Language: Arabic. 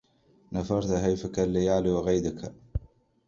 نفرت هيفك الليالي وغيدك